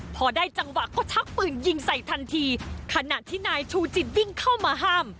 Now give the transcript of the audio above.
พอได้จังหวะก็ชักปืนยิงใส่ทันทีขณะที่นายชูจิตวิ่งเข้ามาห้าม